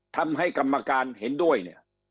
ทำให้กรรมการเห็นด้วยเนี่ย